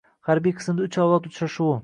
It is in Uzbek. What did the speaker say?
Harbiy qismda uch avlod uchrashuvi